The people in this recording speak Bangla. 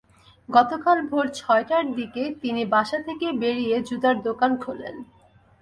গতকাল ভোর ছয়টার দিকে তিনি বাসা থেকে বেরিয়ে জুতার দোকান খোলেন।